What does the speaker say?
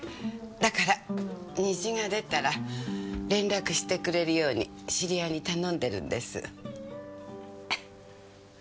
だから虹が出たら連絡してくれるように知り合いに頼んでるんです。